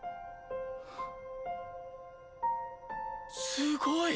すごい。